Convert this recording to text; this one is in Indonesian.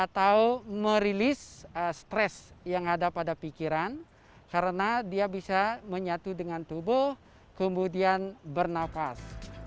dan merilis stres yang ada pada pikiran karena dia bisa menyatu dengan tubuh kemudian bernafas